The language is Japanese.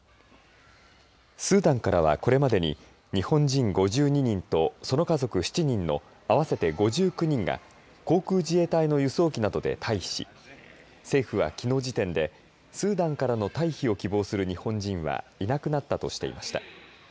スーダンからは、これまでに日本人５２人とその家族７人の合わせて５９人が航空自衛隊の輸送機などで退避し政府はきのう時点でスーダンからの退避を希望する日本人はいなくなったとしていました。